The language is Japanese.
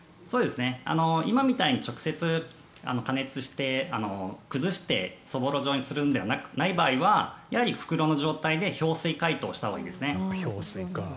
今みたいに直接加熱して、崩してそぼろ状にするのではない場合はやはり袋の状態で氷水解凍したほうがいいですね。